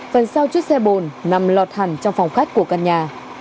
phần sau chiếc xe bồn nằm lọt hẳn trong phòng khách của căn nhà